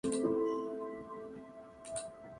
Fue el sucesor en ese teatro del bajo italiano Ezio Pinza.